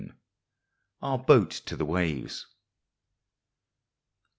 OUR BOAT TO THE WAVES.